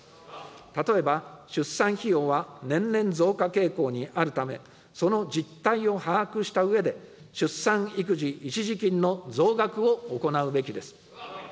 例えば、出産費用は年々増加傾向にあるため、その実態を把握したうえで、出産育児一時金の増額を行うべきです。